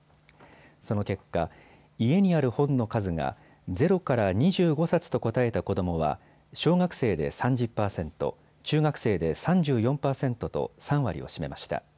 その結果、家にある本の数が０から２５冊と答えた子どもは小学生で３０％、中学生で３４％と３割を占めました。